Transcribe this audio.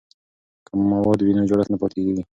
که مواد وي نو جوړښت نه پاتیږي.